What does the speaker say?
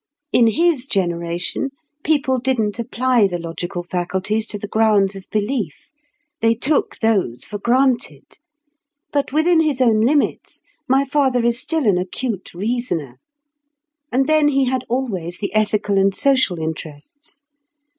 In his generation, people didn't apply the logical faculties to the grounds of belief; they took those for granted; but within his own limits, my father is still an acute reasoner. And then he had always the ethical and social interests.